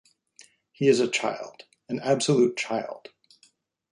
He is a child — an absolute child.